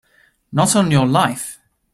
Not on your life!